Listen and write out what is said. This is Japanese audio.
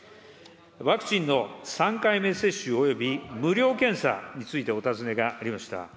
ワクチンの３回目接種および無料検査についてお尋ねがありました。